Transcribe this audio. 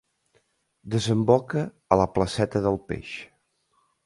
Desemboca a la placeta del Peix.